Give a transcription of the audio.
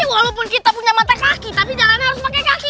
walaupun kita punya mata kaki tapi jalannya harus pakai kaki